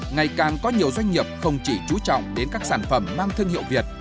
ngày càng có nhiều doanh nghiệp không chỉ trú trọng đến các sản phẩm mang thương hiệu việt